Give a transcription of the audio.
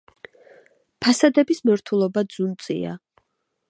ფასადების მორთულობა ძუნწია.